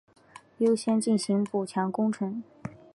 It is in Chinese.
优先进行补强工程